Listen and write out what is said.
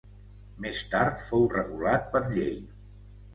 Més tard fou regulat per llei.